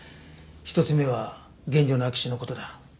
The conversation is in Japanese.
１つ目は現場の空き地の事だ。